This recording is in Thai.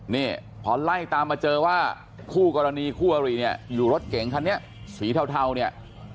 นี่พอไล่ตามมาเจอว่าคู่กรณีคู่อริเนี่ยอยู่รถเก๋งคันนี้สีเทาเนี่ย